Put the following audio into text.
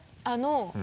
あの。